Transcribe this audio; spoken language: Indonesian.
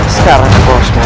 sekarang kau harus pergi